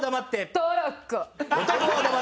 トロッコ！